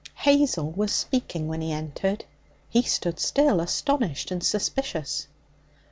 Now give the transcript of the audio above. Hazel was speaking when he entered. He stood still, astonished and suspicious.